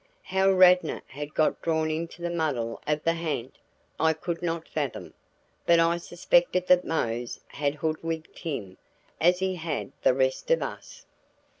How Radnor had got drawn into the muddle of the ha'nt, I could not fathom; but I suspected that Mose had hoodwinked him as he had the rest of us.